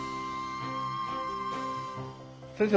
先生